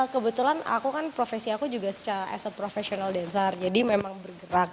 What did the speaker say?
kebetulan profesi aku juga secara profesional dan ser jadi memang bergerak